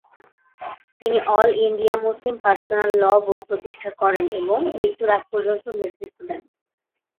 তিনি all India Muslim personal law’ board প্রতিষ্ঠা করেন এবং মৃত্যুর আগ পর্যন্ত নেতৃত্ব দেন।